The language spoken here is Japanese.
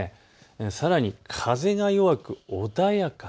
さらに風が弱く穏やか。